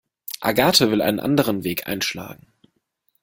Agathe will einen anderen Weg einschlagen.